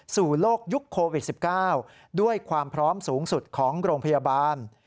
สู่โลกยุคโควิด๑๙ด้วยความพร้อมสูงสุดของโรงพยาบาล